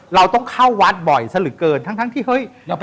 เราต้องเข้าวัดบ่อยซะเหลือเกินทั้งที่เฮ้ย